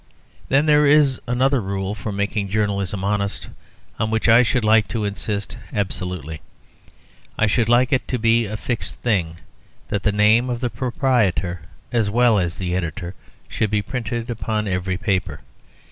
Then there is another rule for making journalism honest on which I should like to insist absolutely. I should like it to be a fixed thing that the name of the proprietor as well as the editor should be printed upon every paper.